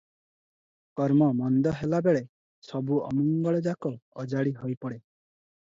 କର୍ମ ମନ୍ଦ ହେଲାବେଳେ ସବୁ ଅମଙ୍ଗଳଯାକ ଅଜାଡ଼ି ହୋଇପଡ଼େ ।